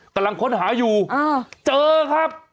กำลังค้นหาอยู่เจอครับ